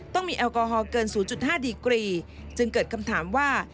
ต้องมีแอลกอฮอลเกิน๐๕ดีกรีจึงเกิดคำถามว่า